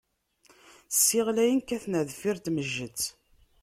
Ssiɣlayen, kkaten ɣer deffir tmejjet.